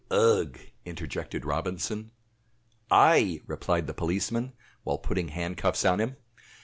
"Ugh!!!" interjected Robinson. "Ay!" replied the policeman, while putting handcuffs on him.